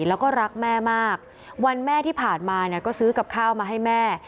แล้วก็รักแม่มากวันแม่ที่ผ่านมาเนี่ยก็ซื้อกับข้าวมาให้แม่